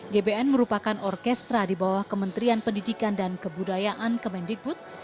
gbn merupakan orkestra di bawah kementerian pendidikan dan kebudayaan kemendikbud